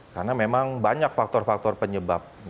karena memang banyak faktor faktor penyebab